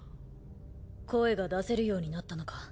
声が出せるようになったのか。